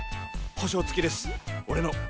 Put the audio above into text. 保証付きです俺の！